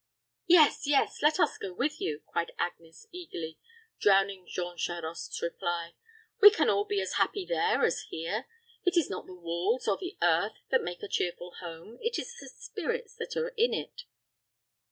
"Yes, yes, let us go with you," cried Agnes, eagerly, drowning Jean Charost's reply. "We can all be as happy there as here. It is not the walls, or the earth, that make a cheerful home. It is the spirits that are in it."